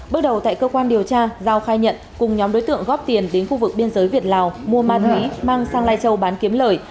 bước đầu tại cơ quan điều tra giao khai nhận cùng nhóm đối tượng góp tiền đến khu vực biên giới việt lào mua ma túy mang sang lai châu bán kiếm lời